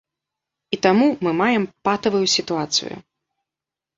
І таму мы маем патавую сітуацыю.